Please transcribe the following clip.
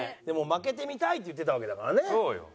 でも負けてみたいって言ってたわけだからね。